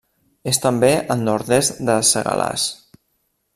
És també al nord-est de Segalars.